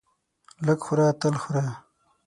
لږ خوره تل خوره.